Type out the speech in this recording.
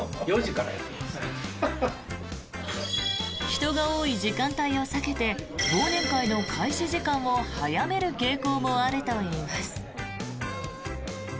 人が多い時間帯を避けて忘年会の開始時間を早める傾向もあるといいます。